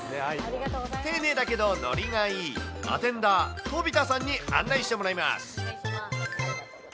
丁寧だけどノリがいいアテンダー、飛田さんに案内してもらいます。